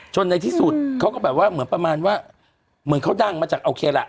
ในที่สุดเขาก็แบบว่าเหมือนประมาณว่าเหมือนเขาดังมาจากโอเคล่ะ